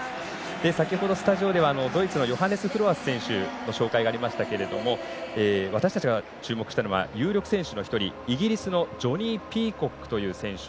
先ほどスタジオではドイツのヨハネス・フロアス選手の紹介がありましたが私たちが注目しているのは有力選手の１人、イギリスのジョニー・ピーコックという選手。